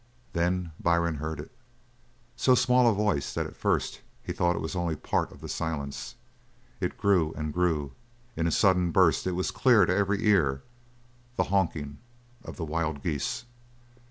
Then Byrne heard it so small a voice that at first he thought it was only a part of the silence. It grew and grew in a sudden burst it was clear to every ear the honking of the wild geese!